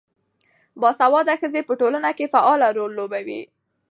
باسواده ښځې په ټولنه کې فعال رول لوبوي.